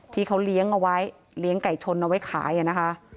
ที่เขาเลี้ยงเอาไว้เลี้ยงไก่ชนเอาไว้ขายนะคะ